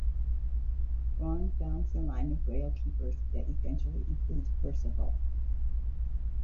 Bron founds the line of Grail keepers that eventually includes Perceval.